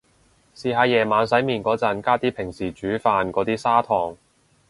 試下夜晚洗面個陣加啲平時煮飯個啲砂糖